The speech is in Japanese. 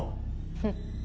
フッ！